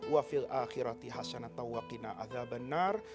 wa fil akhirati hasanah tawwakinna a'zabanar